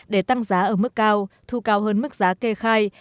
để tăng giá ở mức cao thu cao hơn mức giá kê khai